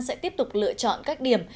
sẽ tiếp tục lựa chọn các điểm